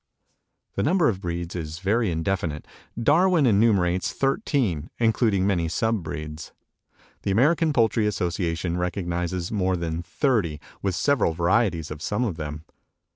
The number of breeds is very indefinite. Darwin enumerates thirteen, including many sub breeds. The American Poultry Association recognizes more than thirty, with several varieties of some of them.